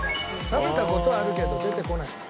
食べた事はあるけど出てこない。